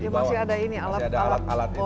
masih ada ini alat alat